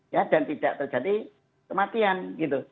ya dan tidak terjadi kematian gitu